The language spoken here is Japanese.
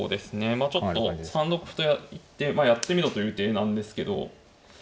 まあちょっと３六歩と行ってまあやってみろという手なんですけど。